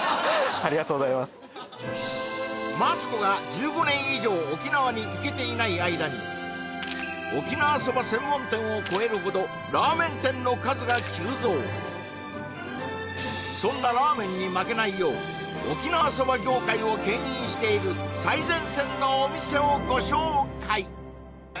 ありがとうございますマツコが間に沖縄そば専門店を超えるほどラーメン店の数が急増そんなラーメンに負けないよう沖縄そば業界を牽引している最前線のお店をご紹介